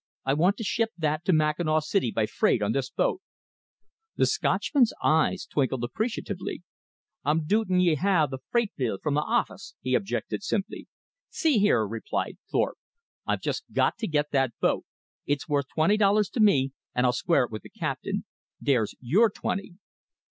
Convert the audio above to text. I want to ship that to Mackinaw City by freight on this boat." The Scotchman's eyes twinkled appreciatively. "I'm dootin' ye hae th' freight bill from the office," he objected simply. "See here," replied Thorpe, "I've just got to get that boat. It's worth twenty dollars to me, and I'll square it with the captain. There's your twenty."